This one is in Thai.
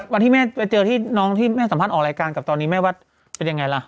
วันที่แม่ไปเจอที่น้องที่แม่สัมภาษณ์ออกรายการกับตอนนี้แม่วัดเป็นยังไงล่ะ